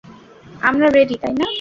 আমরা রেডি, তাই না?